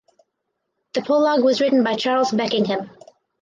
The prologue was written by Charles Beckingham.